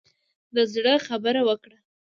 د زړه خبره وکړه.